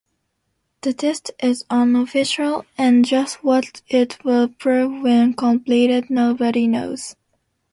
The test is unofficial and just what it will prove when completed nobody knows.